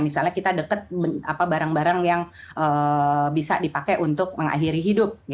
misalnya kita deket barang barang yang bisa dipakai untuk mengakhiri hidup